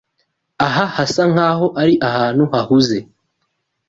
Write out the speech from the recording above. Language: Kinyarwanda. Aha hasa nkaho ari ahantu hahuze.